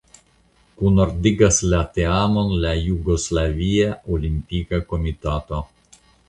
Kunordigas la teamon la Jugoslavia Olimpika Komitato.